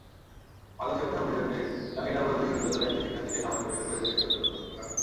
মাদক সেবনের অভিযোগে জাহাঙ্গীরনগর বিশ্ববিদ্যালয়ের দুই শিক্ষার্থীকে সাময়িক বহিষ্কার করেছে বিশ্ববিদ্যালয় প্রশাসন।